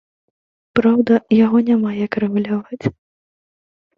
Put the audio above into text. Праўда, яго няма як рэгуляваць.